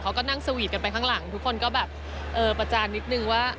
เขาก็นั่งสวีทกันไปข้างหลังทุกคนก็แบบเออประจานนิดนึงว่า